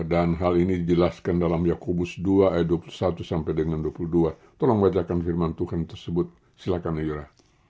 dan hal ini dijelaskan dalam yakobus dua ayat dua puluh satu dua puluh dua tolong bacakan firman tuhan tersebut silahkan ayura